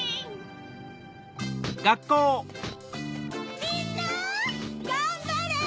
みんながんばれ！